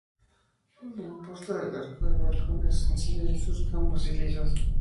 La imposta del arco del balcón es sencilla y sus jambas lisas.